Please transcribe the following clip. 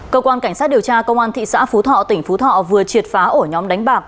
cơ quan cảnh sát điều tra công an thị xã phú thọ tỉnh phú thọ vừa triệt phá ổ nhóm đánh bạc